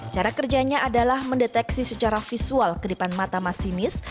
cara kerjanya adalah mendeteksi secara visual kedipan mata masinis